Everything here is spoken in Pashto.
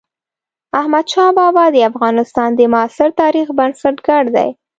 احمد شاه بابا د افغانستان د معاصر تاريخ بنسټ ګر دئ.